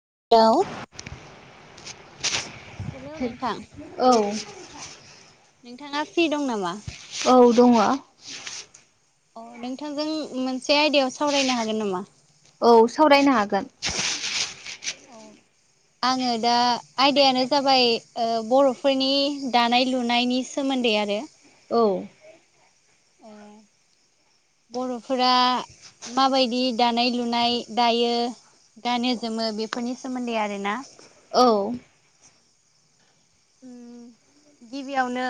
[unintelligible] Hello नोंथां औ नोंथाङा फ्रि दं नामा औ दंङ अ नोंथांजों मोनसे आयदायाव सावरायनो हागोन नामा औ सावरायनो हागोन औ आंङो दा आयदायानो जाबाय बर'फोरनि दानाय लुनायनि सोमोन्दै सोमोन्दै आरो औ ए बर'फोरा माबायदि दानाय लुनाय दायो गानो जोमो बेफोरनि सोमोन्दै आरोना औ [inaudible] गिबियावनो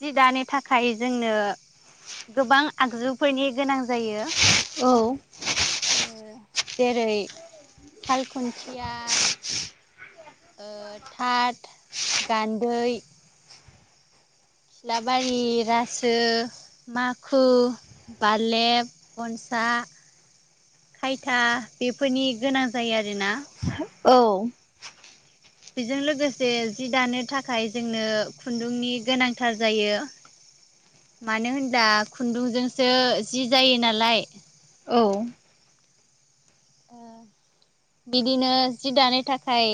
जि दानि थाखाय जोंनो गोबां आगजुफोरनि गोनां जायो औ जेरै साल खुन्थिया ओ थाट गान्दै खिलाबारि रासो माखु बालेब गनसा खायथा बेफोरनि गोनां जायो आरोना औ बेजों लोगोसे जि दानो थाखाय जोंनो खुन्दुंनि गोनांथार जायो मानो होनबा खुन्दुंजोंसो जि जायो नालाय औ बिदिनो जि दानो थाखाय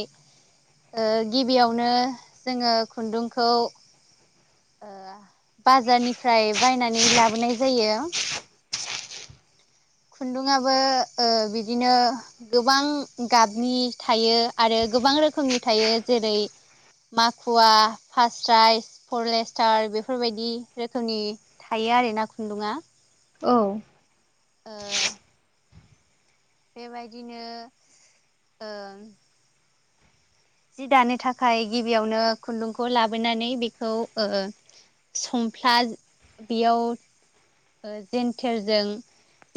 गिबियावनो जोङो खुन्दुंखौ बाजारनिफ्राय बायनानै लाबोनाय जायो खुन्दुंङाबो बिदि बिदिनो गोबां गाबनि थायो आरो गोबां रोखोमनि थायो जेरै माखुवा फारसा्इ फरलेस्टार बेफोरबायदि रोखोमनि थायो गैयाओरै ना खुन्दुङा औ ओ बेबायदिनो ओ जि दानो थाखाय गिबियावनो खुन्दुंखौ लाबोनानै बेखौ संफ्ला बेयाव जेन्थेरजों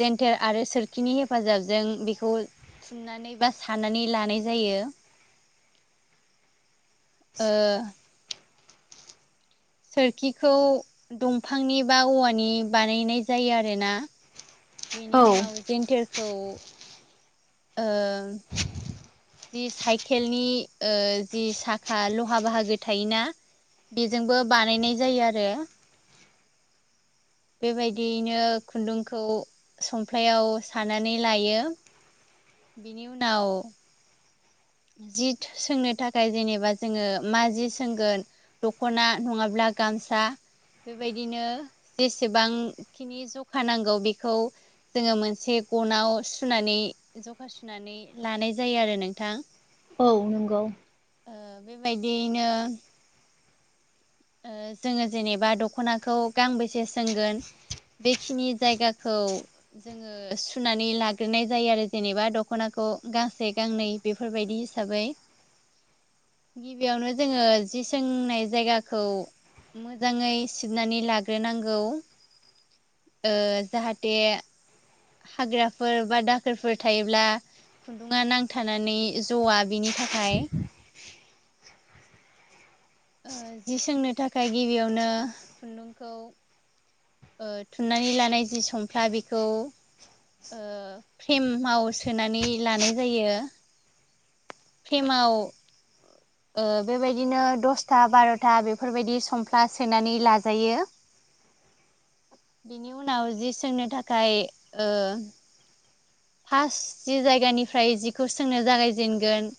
जेन्थेल आरो सोरखिनि हेफाजाबजों बेखौ थुननानै बा सानानै लानाय जायो [inaudible] ओ सोरखिखौ दंफांनि बा औवानि बानायनाय जायो आरोना [inaudible] औ बेनि उनाव जेनथेरखौ ओ जि साइकेलनि जि साखा लहा बाहागो थायोना बेजोंबो बानायनाय जायो आरो बेबायदियैनो खुन्दुंखौ संफ्र्लायाव सानानै लायो बिनि उनाव जि सोंनो थाखाय जेनेबा जोङो मा जि सोंगोन दख'ना नंङाब्ला गामसा बेबायदिनो जेसेबांखिनि जखा नांगौ बेखौ जोङो मोनसे गनाव सुनानै जखा सुनानै लानाय जायो आरो नोंथां औ नंगौ बेबायदियैनो जोङो जेनेबा दख'नाखौ गांबेसे सोंगोन बेखिनि जायगाखौ जोङो सुनानै लाग्रोनाय जायो आरो जेनेबा दख'नाखौ औ गांसे गांनै बेफोरबायदि हिसाबै। गिबियावनो जोंङो जि सोंनाय जायगा। खौ मोजांङै सिबनानै लाग्रोनांगौ। ओ जाहाथे। हाग्राफोर बा दाखोरफोर थायोब्ला। खुन्दुुंङा नांथानानै जआ बिनि थाखाय। जि सोंनो थाखाय गिबियावनो खुन्दुंखौ। थुननानै लानाय जि संफ्ला बेखौ। फ्रेमाव सोनानै लानाय जायो। फ्रेमाव बेबायदिनो दस दसथा बारथा बेफोरबायदि संफ्ला सोनानै लाजायो। बिनि उनाव जि सोंनो थाखाय ओ । फार्स्ट जि जायगानिफ्राय जिखौ सोंनो जागायजेनगोन।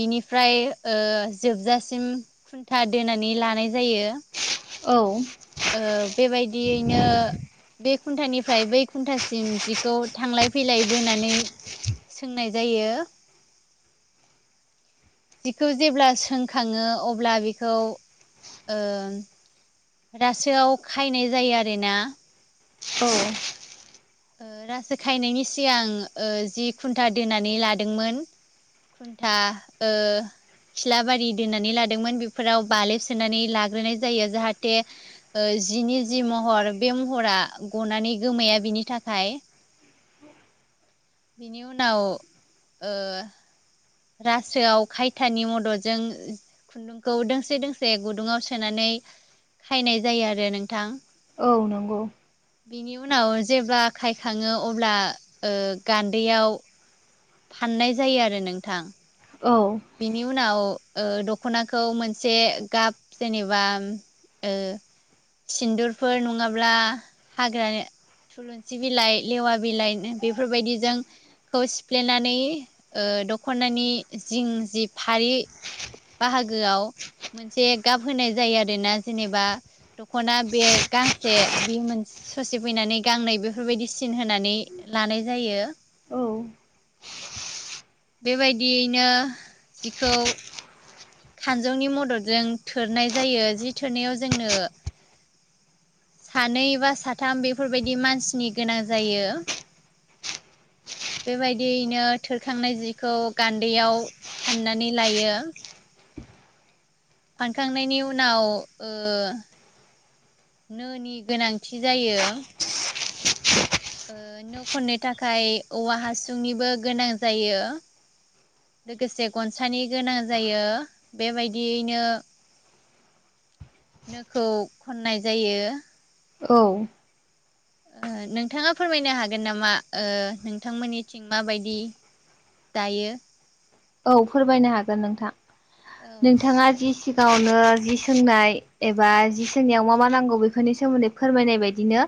बिनिफ्राय ओ जोबजासिम खुन्था दोनानै लानाय जायो। औ। ओ बेबायदियैनो। बे खुन्टानिफ्राय बै खुन्टासिम जिखौ थांलाय फैलाय बोनानै। सोंनाय जायो। जिखौ जेब्ला सोंखांङो अब्ला बेखौ ओ। रासोआव खायनाय जायो आरोना। औ रासो खायनायनि सिगां ओ जि खुन्टा दोननानै लादोंमोन। खुन्था ओ। खिलाबारि दोनानै लादोंमोन बेफोराव बालेब सोनानै लाग्रोनाय जायो जाहाथे ओ। जिनि जि महर बे महरा गनानै गोमाया बिनि थाखाय। बिनि उनाव ओ। रासोआव खायथानि मददजों खुन्दुंखौ दोंसे दोंसे गुदुंआव सोनानै। खायनाय जायो आरो नोंथां। औ नंगौ। बिनि उनाव जेब्ला खायखांङो अब्ला ओ गान्दैयाव। फाननाय जायो आरो नोंथां। औ बिनि उनाव। दखनाखौ मोनसे गाब जेनेबा। सिन्दुरफोर नङाब्ला हाग्रानि। थुलुंसि बिलाइ लेवा बिलाइ बेफोरबायदिजों। खौ सिफ्लेनानै दखनानि जिं जि फारि। बाहागोआव। मोनसे गाब होनाय जायो आरोना जेनेबा दखना बे गांसे बे मोनसे। ससे फैनानै गांनै बेफोरबायदि सिन होनानै लानाय जायो। औ बेबायदियैनो जिखौ। खानजंनि मददजों थोरनाय जायो जि थोरनायाव जोंनो। सानै बा साथाम बेफोरबायदि मानसिनि गोनां जायो। [inaudible] बेबायदियैनो थोरखांनाय जिखौ गान्दैयाव फाननानै लायो। फानखांनायनि उनाव ओ। नोनि गोनांथि जायो। नो खननो थाखाय औवा हासुंनिबो गोनां जायो। लोगोसे गनसानि गोनां जायो बेबायदियैनो। नोखौ खननाय जायो। औ। नोंथांङा फोरमायनो हागोन नामा नोंथांमोननिथिं माबायदि। दायो, औ फोरमायनो हागोन नोंथां औ नोंथाङा जि सिगाङावनो जि सोंनाय एबा जि सोंनायाव मा मा नांगौ बेफोरनि सोमोन्दै फोरमायनाय बायदिनो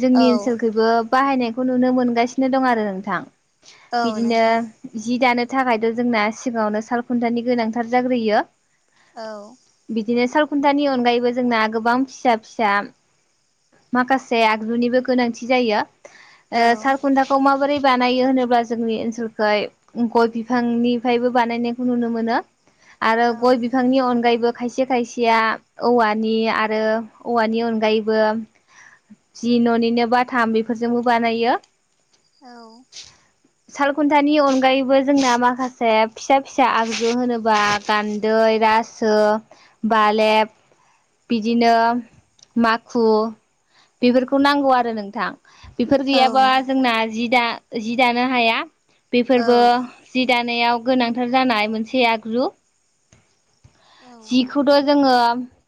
जोंनि औ ओनसोलखबो बाहायनायखौ नुनो मोनगासिनो दं आरो नोंथां। औ बिदिनो नोंथां जि दानो थाखाय जोंना सिगाङावनो सालखुन्थानि, गोनांथार जाग्रोयो, औ बिदिनो साल, घुन्टा नि अनगायैबो जोंना गोबां फिसा फिसा माखासे आगजुनिबो गोनांथि जायो। औ ओ सारखुन्थाखौ माबोरै बानायो होनोब्ला जोंनि ओनसोलखै गय बि फांनि फायबो बानायनायखौ नुनो मोनो आरो औ गय बिफांनि अनगायैबो खायसे खायसेया औवानि आरो औवानि अनगायैबो जि न'निनो बाथाम बेफोरजोंबो बानायो औ साल खुन्थानि अनगायैबो जोंना माखासे फिसा फिसा आगजु होनोबा गान्दै, रासो बा फालेब बिदिनो माखु बेफोरखौ नांगौ आरो नोंथां बेफोर औ गैयाबा नोंथां जोंना जि दा जि दानो हाया। औ बेफोरबो जि दानायाव गोनांथार जानाय मोनसे आगजु औ जिखौथ' जोङो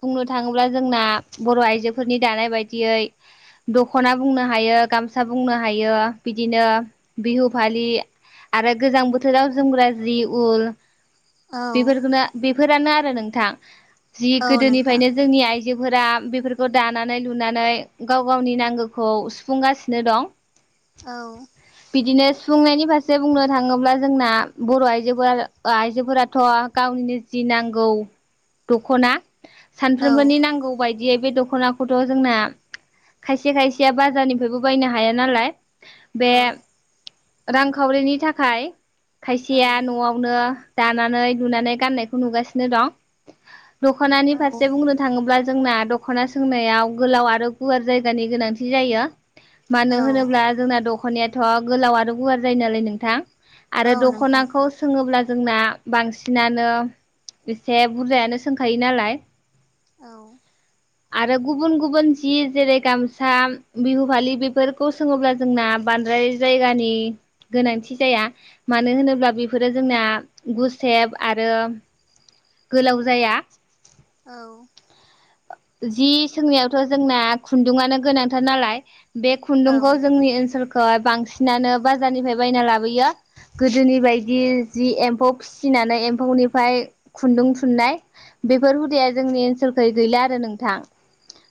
बुंनो थाङोब्ला जोंना बर' आइजोफोरनि दानाय बायदियै दख'ना बुंनो हायो गामसा बुंनो हायो बिदिनो बिहु फालि आरो गोजां बोथोराव जोमग्रा जि उल औ बेफोरखौनो बेफोरानो आरो नोंथां जि औ नोंथां गोदोनिफ्रायनो जोंनि आइजो जि बोराम बेफोरखौ दानानै लुनानै गाव गावनि नांगौखौ सुफुंगासिनो दं। औ बिदिनो सुफुंनायनि फारसे बुंनो थाङोब्ला जोंना बर' आइजोफोरा आइजोफोराथ' गावनि नि जि नांगौ दख'ना औ सानफ्रोमबोनि नांगौ बाय दियै बे दख'नाखौथ' जोंना खायसे खायसेया बाजारनिफ्रायबो बायनो हाया नालाय बे रांखावरिनि थाखाय खायसेया न'आवनो दानानै लुनानै गाननायखौ नुगासिनो दं दख'नानि फारसे बुंनो थाङोब्ला जोंना दख' मानो औ औ होनोब्ला जोंना दख'नायाथ' गोलाव आरो गुवार जायो, नालाय नोंथां औ नोंथां औ आरो नोंथां दख'नाखौ सोङोब्ला जोंना बांसिनानो एसे बुरजा यानो सोंखायो नालाय औ आरो गुबुन गुबुन जि जेरै गामसा बिहु फालि बेफोरखौ सोङोब्ला जोंना बांद्राय जायगानि गोनांथि जाया मानो होनोब्ला बेफोरो जोंना गुसेब एब आरो गोलाव जाया औ जि सोंनायावथ' जोंना खुन्दुनो गोनांथार नालाय बे खुन्दुंखौ जोंनि ओनसोल खौ बांसिनानो बाजारनिफ्राय बायना लाबोयो गोदोनि बायदि जि एम्फौ फिसि नानै एम्फौनिफाय खुन्दुं फुननाय बेफोर हुदाया जोंनि ओनसोलखै गैला आरो नोंथां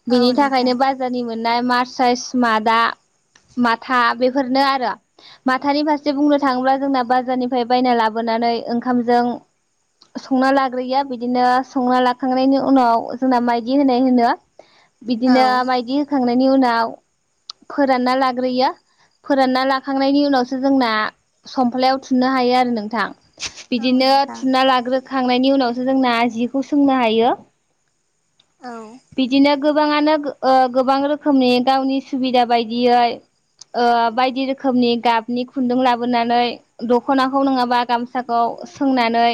औ बिनि नोंथां थाखायनो बाजारनि मोन नाय मार साइस मादा माथा बेफोरनो आरो माथानि फारसे बुंनो थाङोब्ला जोंना बाजारनिफ्राय बायना लाबो नानै ओंखामजों संना लाग्रोया बिदिनो संना लाखांनायनि उनाव जोंना माइदि होनाय होनो औ बिदिनो माइदि होखांनाय नि उनाव फोरानना लाग्रोयो फोरानना लाखांनायनि उनावसो जोंना समफ्लायाव थुननो हायो आरो नोंथां बिदिनो थुना लाग्रोखांनायनि उनावसो जोंना जिखौ सोंनो हायो। बिदिनो गोबाङानो गो-गोबां रोखोमनि गावनि सुबिदा बायदियै ओ बायदि रोखोमनि गाबनि खुन्दुं लाबोनानै दख'नाखौ नङाबा गामसाखौ सोंनानै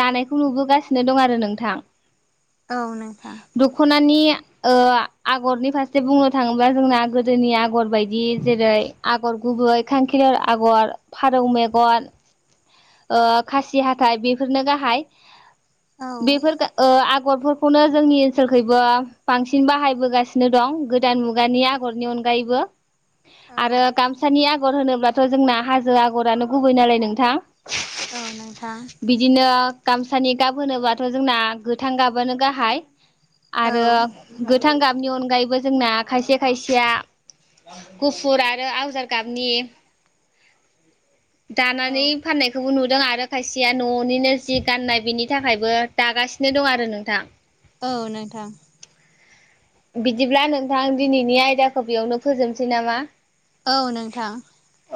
दानायखौ नुबोगासिनो दं आरो नोंथां औ नों दख'नानि ओ आगरनि फारसे बुंनो थाङोब्ला जोंना गोदोनि आगर बायदि जेरै आगर गुबै खांखिलार आगर फारौ मेगन ओ खासि हाथाइ बेफोरनो गाहाइ औ बेफोरगो ओ आगरफोरखौनो जोंनि ओनसोलखैबो बांसिन बाहायबोगासिनो दं गोदान मुगानि आगरनि अनगायैबो आरो औ गामसानि आगर होनोब्लाथ' जोंना हाजो आगरानो गुबै नालाय नोंथां औ नोंथां बिदिनो गामसानि गाब होनोबाथ' जोंना गोथां गाबानो गाहाइ आरो औ गोथां गाबनि अनगायैबो जोंना खायसे खायसेया गुफुर आरो आवजार गाबनि [inaudible] दानानै फाननायखौबो नुदों आरो आरो खायसेया न'निनो जि गाननाय बेनि थाखायबो दागासिनो दं आरो नोंथां औ नोंथां बिदिब्ला नोंथां दिनैनि आयदाखौ बेयावनो फोजोबनसै नामा औ नोंथां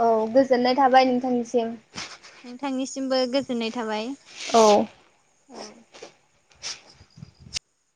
औ गोजोननाय थाबाय नोंथांनिसिम नोंथांनिसिमबो गोजोननाय थाबाय औ औ